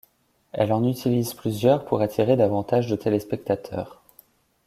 Elle en utilise plusieurs pour attirer davantage de téléspectateurs.